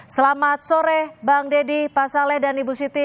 selamat sore bang deddy pak saleh dan ibu siti